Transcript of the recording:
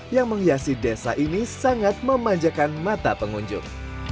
yang menghiasi desa ini sangat memanjakan mata pengunjung